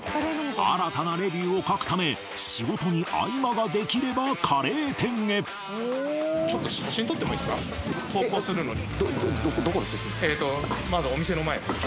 新たなレビューを書くため仕事に合間ができればカレー店へちょっとどどどこの写真ですか？